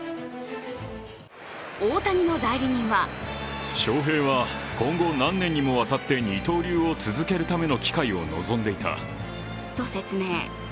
大谷の代理人はと説明。